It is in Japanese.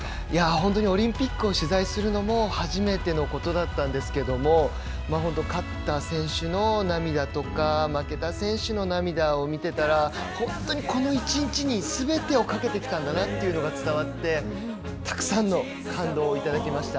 本当にオリンピックを取材するのも初めてのことだったんですけども勝った選手の涙とか負けた選手の涙を見てたら本当にこの１日にすべてをかけてきたんだなというのが伝わってたくさんの感動をいただきました。